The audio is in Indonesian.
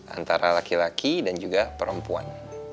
antara laki laki dan juga perempuan